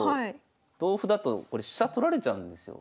同歩だとこれ飛車取られちゃうんですよ。